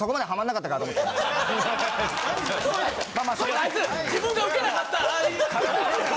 あいつ自分がウケなかったらああいう。